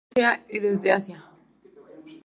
Se encuentra en Rusia y este de Asia.